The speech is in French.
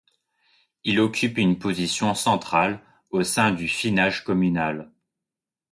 Il occupe une position centrale au sein du finage communal.